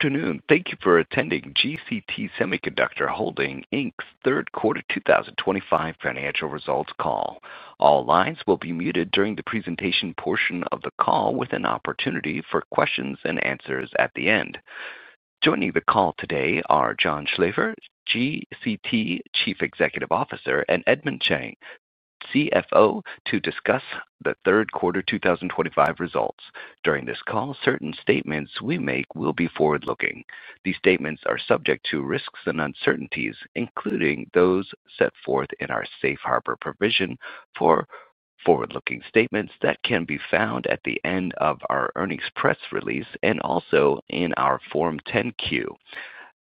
Afternoon. Thank you for attending GCT Semiconductor Holding's Third Quarter 2025 Financial Results Call. All lines will be muted during the presentation portion of the call, with an opportunity for questions and answers at the end. Joining the call today are John Schlaefer, GCT Chief Executive Officer, and Edmond Cheng, CFO, to discuss the third quarter 2025 results. During this call, certain statements we make will be forward-looking. These statements are subject to risks and uncertainties, including those set forth in our safe harbor provision for forward-looking statements that can be found at the end of our earnings press release and also in our Form 10Q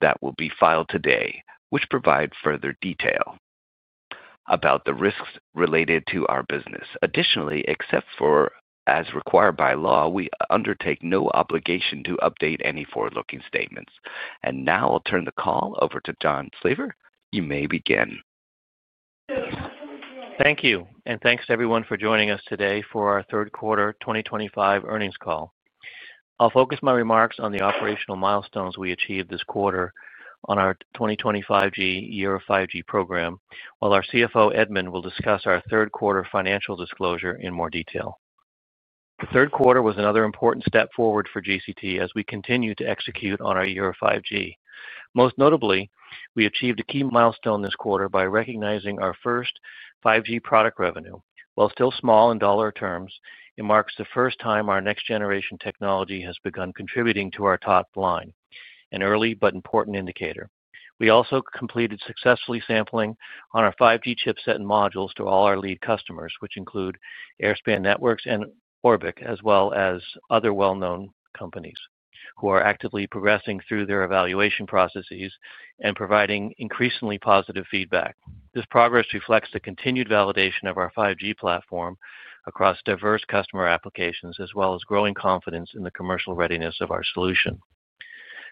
that will be filed today, which provides further detail about the risks related to our business. Additionally, except for as required by law, we undertake no obligation to update any forward-looking statements. Now I'll turn the call over to John Schlaefer. You may begin. Thank you, and thanks to everyone for joining us today for our Third Quarter 2025 Earnings Call. I'll focus my remarks on the operational milestones we achieved this quarter on our 2025 Year of 5G program, while our CFO, Edmond, will discuss our third quarter financial disclosure in more detail. The third quarter was another important step forward for GCT as we continue to execute on our Year of 5G. Most notably, we achieved a key milestone this quarter by recognizing our first 5G product revenue. While still small in dollar terms, it marks the first time our next-generation technology has begun contributing to our top line, an early but important indicator. We also completed successfully sampling on our 5G chipset and modules to all our lead customers, which include Airspan Networks and Orbic, as well as other well-known companies who are actively progressing through their evaluation processes and providing increasingly positive feedback. This progress reflects the continued validation of our 5G platform across diverse customer applications, as well as growing confidence in the commercial readiness of our solution.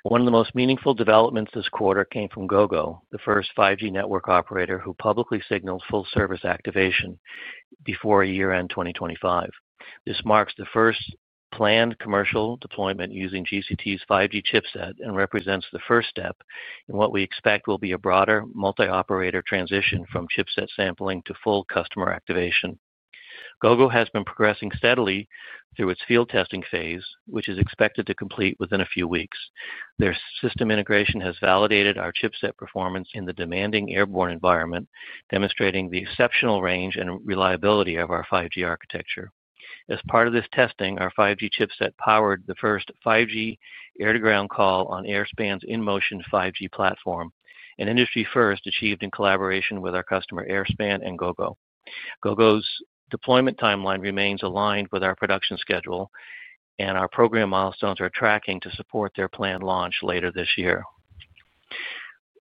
One of the most meaningful developments this quarter came from Gogo, the first 5G network operator who publicly signals full service activation before year-end 2025. This marks the first planned commercial deployment using GCT's 5G chipset and represents the first step in what we expect will be a broader multi-operator transition from chipset sampling to full customer activation. Gogo has been progressing steadily through its field testing phase, which is expected to complete within a few weeks. Their system integration has validated our chipset performance in the demanding airborne environment, demonstrating the exceptional range and reliability of our 5G architecture. As part of this testing, our 5G chipset powered the first 5G air-to-ground call on Airspan's in-motion 5G platform, an industry first achieved in collaboration with our customer Airspan and Gogo. Gogo's deployment timeline remains aligned with our production schedule, and our program milestones are tracking to support their planned launch later this year.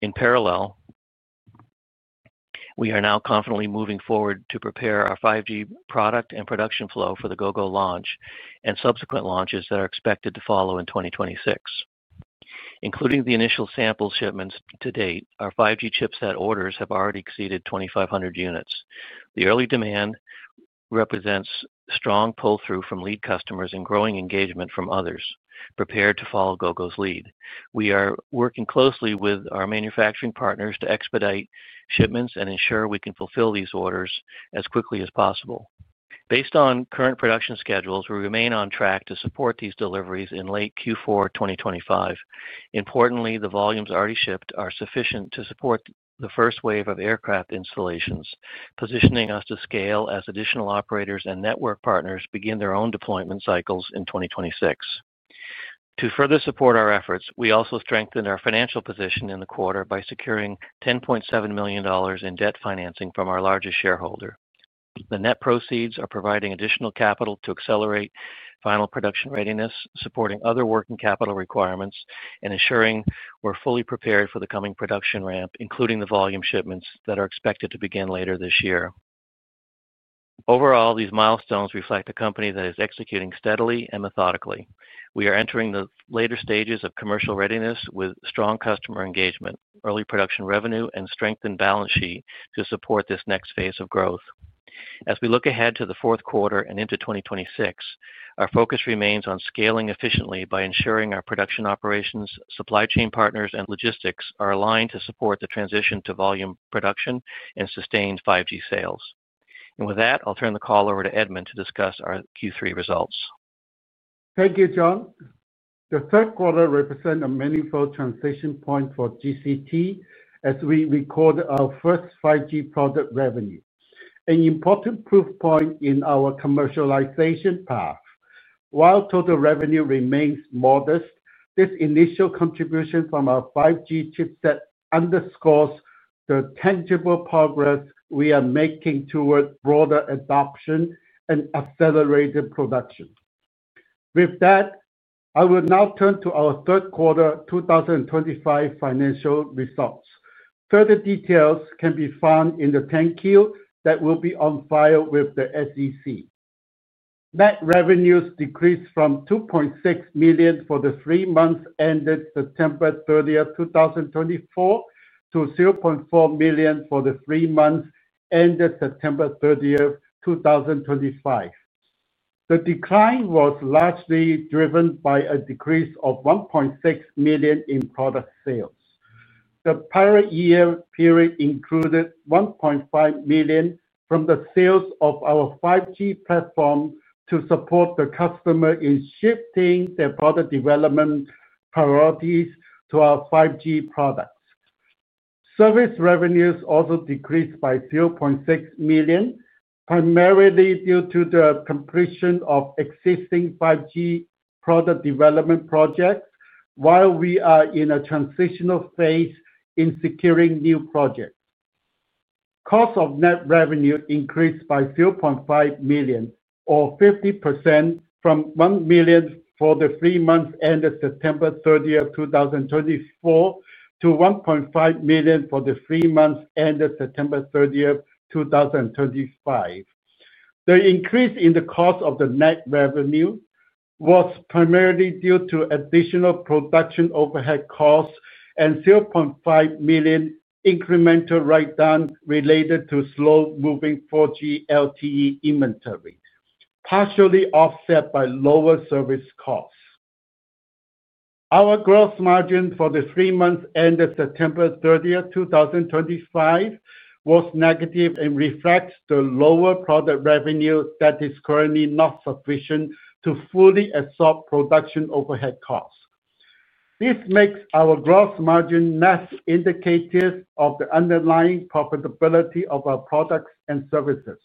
In parallel, we are now confidently moving forward to prepare our 5G product and production flow for the Gogo launch and subsequent launches that are expected to follow in 2026. Including the initial sample shipments to date, our 5G chipset orders have already exceeded 2,500 units. The early demand represents strong pull-through from lead customers and growing engagement from others prepared to follow Gogo's lead. We are working closely with our manufacturing partners to expedite shipments and ensure we can fulfill these orders as quickly as possible. Based on current production schedules, we remain on track to support these deliveries in late Q4 2025. Importantly, the volumes already shipped are sufficient to support the first wave of aircraft installations, positioning us to scale as additional operators and network partners begin their own deployment cycles in 2026. To further support our efforts, we also strengthened our financial position in the quarter by securing $10.7 million in debt financing from our largest shareholder. The net proceeds are providing additional capital to accelerate final production readiness, supporting other working capital requirements, and ensuring we're fully prepared for the coming production ramp, including the volume shipments that are expected to begin later this year. Overall, these milestones reflect a company that is executing steadily and methodically. We are entering the later stages of commercial readiness with strong customer engagement, early production revenue, and strengthened balance sheet to support this next phase of growth. As we look ahead to the fourth quarter and into 2026, our focus remains on scaling efficiently by ensuring our production operations, supply chain partners, and logistics are aligned to support the transition to volume production and sustained 5G sales. With that, I'll turn the call over to Edmond to discuss our Q3 results. Thank you, John. The third quarter represents a meaningful transition point for GCT as we record our first 5G product revenue, an important proof point in our commercialization path. While total revenue remains modest, this initial contribution from our 5G chipset underscores the tangible progress we are making toward broader adoption and accelerated production. With that, I will now turn to our third quarter 2025 financial results. Further details can be found in the 10Q that will be on file with the SEC. Net revenues decreased from $2.6 million for the three months ended September 30th, 2024, to $0.4 million for the three months ended September 30th, 2025. The decline was largely driven by a decrease of $1.6 million in product sales. The prior year period included $1.5 million from the sales of our 5G platform to support the customer in shifting their product development priorities to our 5G products. Service revenues also decreased by $0.6 million, primarily due to the completion of existing 5G product development projects, while we are in a transitional phase in securing new projects. Cost of net revenue increased by $0.5 million, or 50% from $1 million for the three months ended September 30th, 2024, to $1.5 million for the three months ended September 30th, 2025. The increase in the cost of the net revenue was primarily due to additional production overhead costs and $0.5 million incremental write-down related to slow-moving 4G LTE inventory, partially offset by lower service costs. Our gross margin for the three months ended September 30th, 2025, was negative and reflects the lower product revenue that is currently not sufficient to fully absorb production overhead costs. This makes our gross margin less indicative of the underlying profitability of our products and services.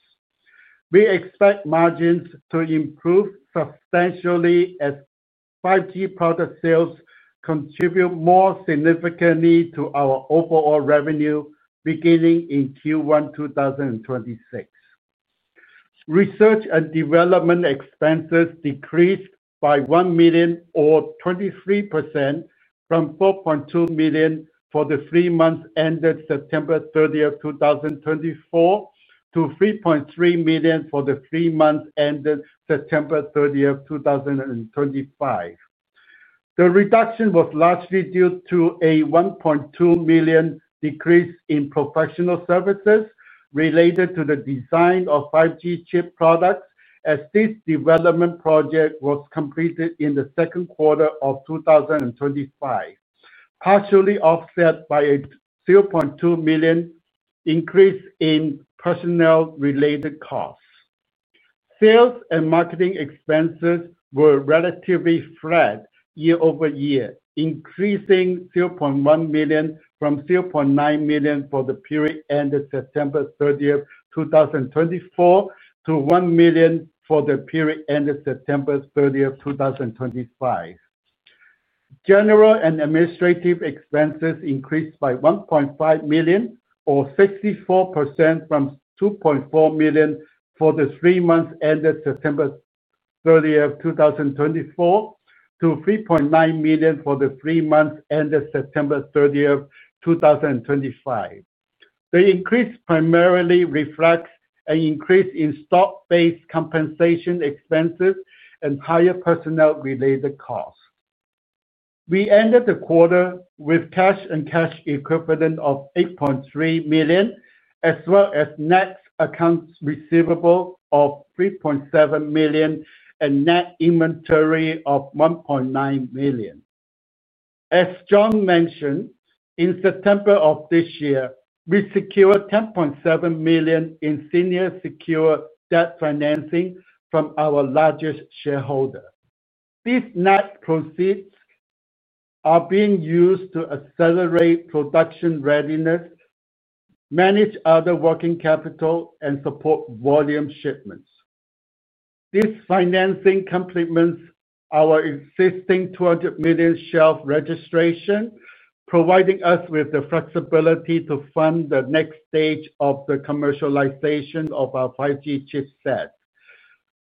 We expect margins to improve substantially as 5G product sales contribute more significantly to our overall revenue beginning in Q1 2026. Research and development expenses decreased by $1 million, or 23%, from $4.2 million for the three months ended September 30th, 2024, to $3.3 million for the three months ended September 30th, 2025. The reduction was largely due to a $1.2 million decrease in professional services related to the design of 5G chip products, as this development project was completed in the second quarter of 2025, partially offset by a $0.2 million increase in personnel-related costs. Sales and marketing expenses were relatively flat year over year, increasing $0.1 million from $0.9 million for the period ended September 30th, 2024, to $1 million for the period ended September 30th, 2025. General and administrative expenses increased by $1.5 million, or 64%, from $2.4 million for the three months ended September 30th, 2024, to $3.9 million for the three months ended September 30th, 2025. The increase primarily reflects an increase in stock-based compensation expenses and higher personnel-related costs. We ended the quarter with cash and cash equivalent of $8.3 million, as well as net accounts receivable of $3.7 million and net inventory of $1.9 million. As John mentioned, in September of this year, we secured $10.7 million in senior secure debt financing from our largest shareholder. These net proceeds are being used to accelerate production readiness, manage other working capital, and support volume shipments. This financing complements our existing $200 million shelf registration, providing us with the flexibility to fund the next stage of the commercialization of our 5G chipset.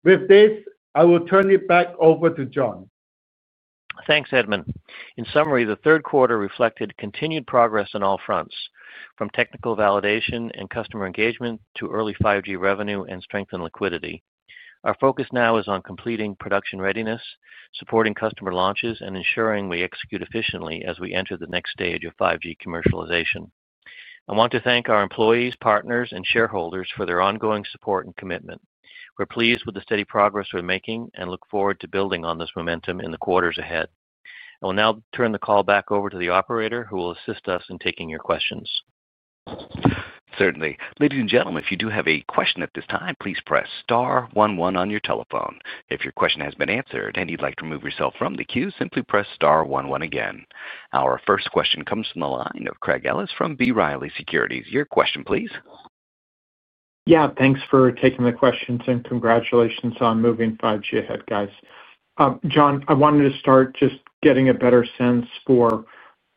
With this, I will turn it back over to John. Thanks, Edmond. In summary, the third quarter reflected continued progress on all fronts, from technical validation and customer engagement to early 5G revenue and strengthened liquidity. Our focus now is on completing production readiness, supporting customer launches, and ensuring we execute efficiently as we enter the next stage of 5G commercialization. I want to thank our employees, partners, and shareholders for their ongoing support and commitment. We're pleased with the steady progress we're making and look forward to building on this momentum in the quarters ahead. I will now turn the call back over to the operator, who will assist us in taking your questions. Certainly. Ladies and gentlemen, if you do have a question at this time, please press star 11 on your telephone. If your question has been answered and you'd like to remove yourself from the queue, simply press star 11 again. Our first question comes from the line of Craig Ellis from B. Riley Securities. Your question, please. Yeah, thanks for taking the questions and congratulations on moving 5G ahead, guys. John, I wanted to start just getting a better sense for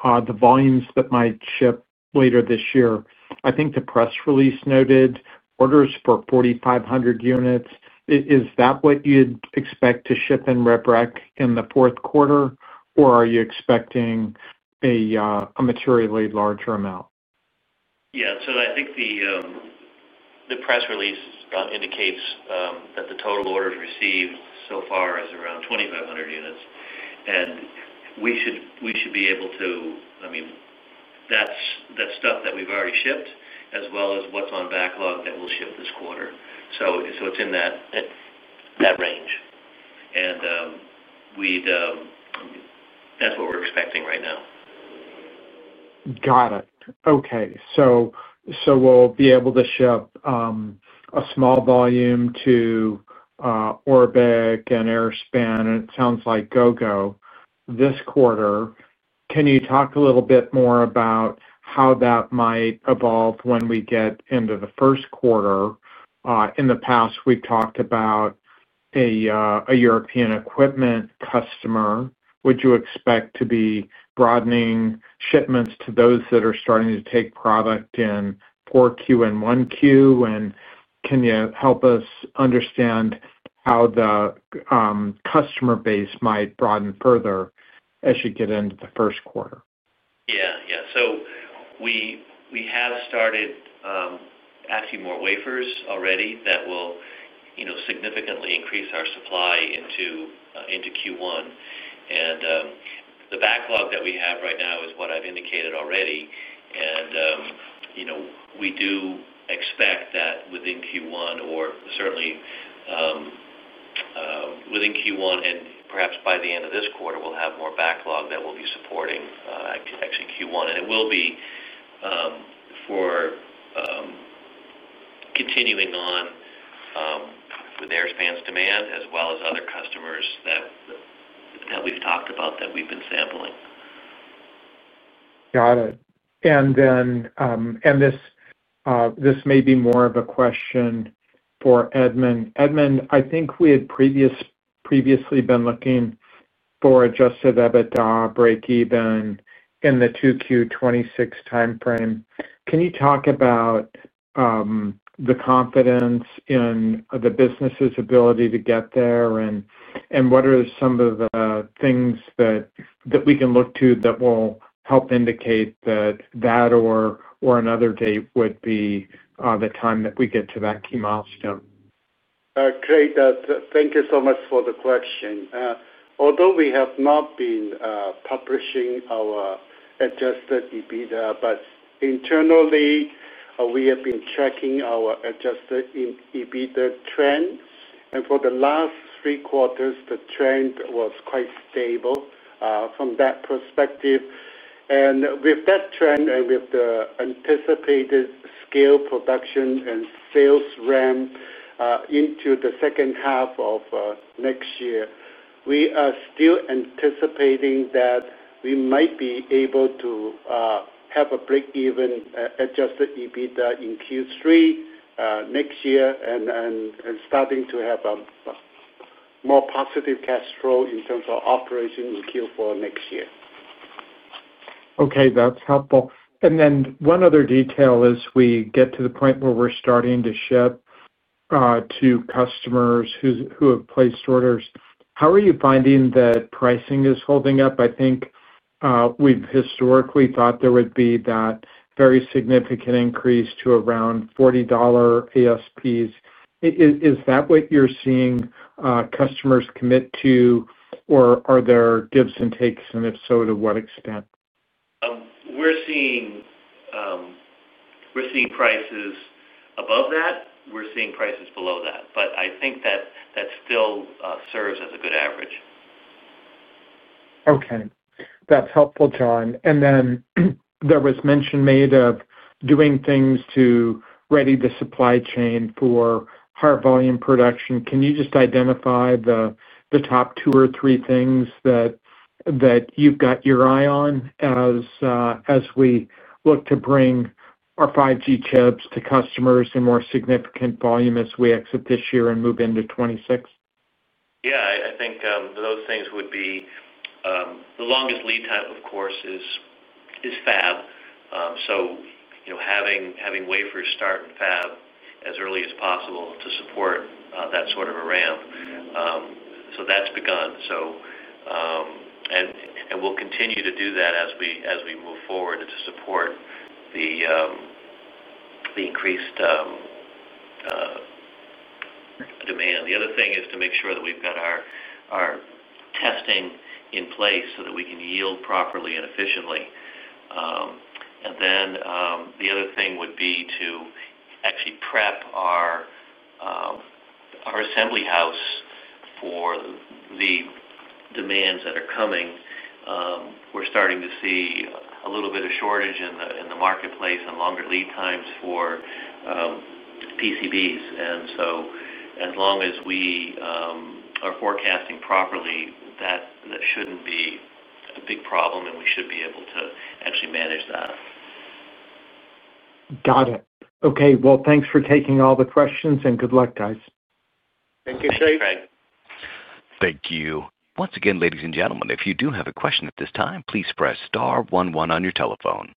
the volumes that might ship later this year. I think the press release noted orders for 4,500 units. Is that what you'd expect to ship in Red Breck in the fourth quarter, or are you expecting a materially larger amount? Yeah, so I think the press release indicates that the total orders received so far is around 2,500 units, and we should be able to, I mean, that's stuff that we've already shipped, as well as what's on backlog that we'll ship this quarter. It is in that range. And that's what we're expecting right now. Got it. Okay. So we'll be able to ship a small volume to Orbic and Airspan and it sounds like Gogo this quarter. Can you talk a little bit more about how that might evolve when we get into the first quarter? In the past, we've talked about a European equipment customer. Would you expect to be broadening shipments to those that are starting to take product in 4Q and 1Q? Can you help us understand how the customer base might broaden further as you get into the first quarter? Yeah, yeah. We have started adding more wafers already that will significantly increase our supply into Q1. The backlog that we have right now is what I've indicated already. We do expect that within Q1, or certainly within Q1, and perhaps by the end of this quarter, we'll have more backlog that we'll be supporting actually Q1. It will be for continuing on with Airspan's demand, as well as other customers that we've talked about that we've been sampling. Got it. This may be more of a question for Edmond. Edmond, I think we had previously been looking for a just-to-that-break-even in the 2Q 2026 timeframe. Can you talk about the confidence in the business's ability to get there, and what are some of the things that we can look to that will help indicate that that or another date would be the time that we get to that key milestone? Great. Thank you so much for the question. Although we have not been publishing our adjusted EBITDA, we have been tracking our adjusted EBITDA trend internally. For the last three quarters, the trend was quite stable from that perspective. With that trend and with the anticipated scale production and sales ramp into the second half of next year, we are still anticipating that we might be able to have a break-even adjusted EBITDA in Q3 next year and starting to have a more positive cash flow in terms of operations in Q4 next year. Okay, that's helpful. One other detail as we get to the point where we're starting to ship to customers who have placed orders. How are you finding that pricing is holding up? I think we've historically thought there would be that very significant increase to around $40 ASPs. Is that what you're seeing customers commit to, or are there gives and takes, and if so, to what extent? We're seeing prices above that. We're seeing prices below that. I think that still serves as a good average. Okay. That's helpful, John. There was mention made of doing things to ready the supply chain for higher volume production. Can you just identify the top two or three things that you've got your eye on as we look to bring our 5G chips to customers in more significant volume as we exit this year and move into 2026? Yeah, I think those things would be the longest lead time. Of course, fab is, so having wafers start in fab as early as possible to support that sort of a ramp. That has begun. We will continue to do that as we move forward to support the increased demand. The other thing is to make sure that we have our testing in place so that we can yield properly and efficiently. The other thing would be to actually prep our assembly house for the demands that are coming. We are starting to see a little bit of shortage in the marketplace and longer lead times for PCBs. As long as we are forecasting properly, that should not be a big problem, and we should be able to actually manage that. Got it. Okay. Thanks for taking all the questions, and good luck, guys. Thank you, Craig. Thank you. Once again, ladies and gentlemen, if you do have a question at this time, please press star 11 on your telephone.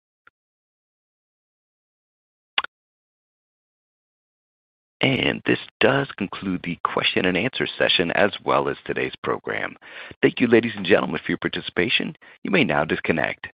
This does conclude the question and answer session, as well as today's program. Thank you, ladies and gentlemen, for your participation. You may now disconnect. Good.